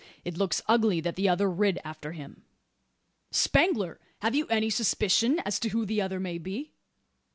It looks ugly that the other rid after him." "Spangler! have you any suspicion as to who the other may be?"